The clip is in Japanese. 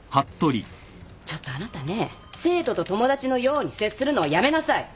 ちょっとあなたね生徒と友達のように接するのはやめなさい。